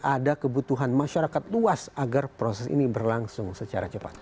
ada kebutuhan masyarakat luas agar proses ini berlangsung secara cepat